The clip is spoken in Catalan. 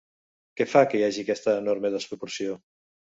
Què fa que hi hagi aquesta enorme desproporció?